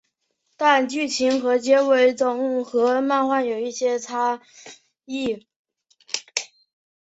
但剧情和结局都和漫画有一些差异。